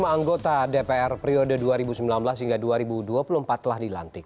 lima anggota dpr periode dua ribu sembilan belas hingga dua ribu dua puluh empat telah dilantik